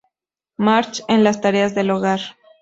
March en las tareas del hogar.